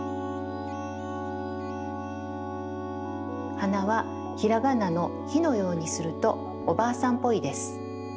はなはひらがなの「ひ」のようにするとおばあさんっぽいです。